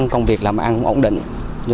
công việc làm ăn cũng ổn định